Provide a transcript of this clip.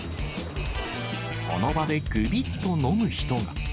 その場でぐびっと飲む人が。